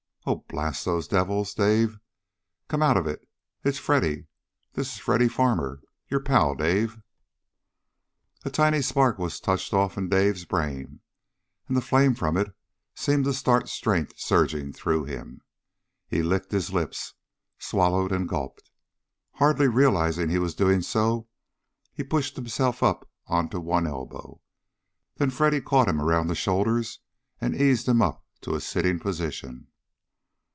Oh, blast those devils! Dave! Come out of it. It's Freddy! This is Freddy Farmer. Your pal. Dave!" A tiny spark was touched off in Dawson's brain, and the flame from it seemed to start strength surging through him. He licked his lips, swallowed, and gulped. Hardly realizing he was doing so, he pushed himself up onto one elbow. Then Freddy caught him around the shoulders and eased him up to a sitting position.